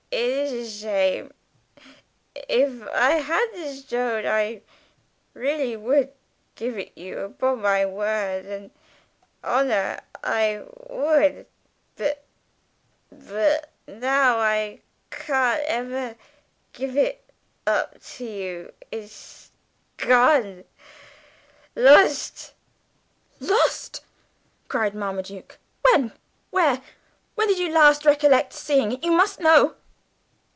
It is a shame. If I had the Shtone, I really would give it you, upon my word an' honour I would. But but, now I can't ever give it up to you. It'sh gone. Losht!" "Lost!" cried Marmaduke. "When, where? When do you last recollect seeing it? you must know!"